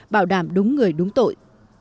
bảo đảm đúng người đúng tội